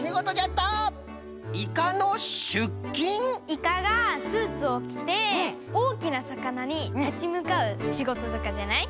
イカがスーツをきておおきなさかなにたちむかうしごととかじゃない？